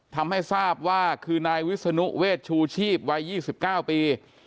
ทำให้ทราบว่าคือนายวิศนุเวชชูชีพวัย๒๙ปี